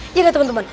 iya nggak teman teman